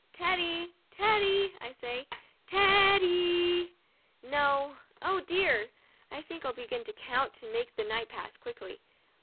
Teddy! Teddy! I say, Teddy — y — y — y! No ! Oh, dear ! I think I'll begin to count to make the night pass quickly.